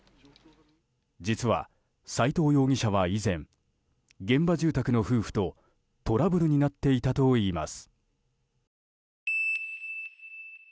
実は、斎藤容疑者は以前現場住宅の夫婦とトラブルになっていたといいます。